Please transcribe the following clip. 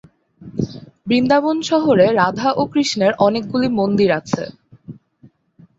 বৃন্দাবন শহরে রাধা ও কৃষ্ণের অনেকগুলি মন্দির আছে।